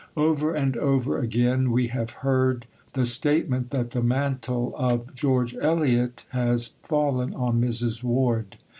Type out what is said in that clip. Over and over again we have heard the statement that the "mantle" of George Eliot has fallen on Mrs. Ward.